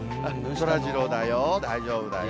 そらジローだよ、大丈夫だよ。